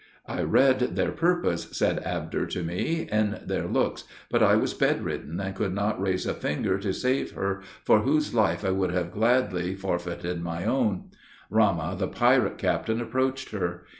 "I read their purpose," said Abder to me, "In their looks; but I was bed ridden, and could not raise a finger to save her for whose life I would gladly have forfeited my own, Ramah, the pirate captain, approached her.